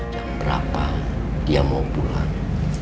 jam berapa dia mau pulang